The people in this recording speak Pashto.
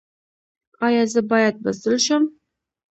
ایا زه باید بزدل شم؟